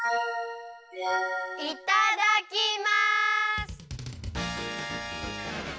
いただきます！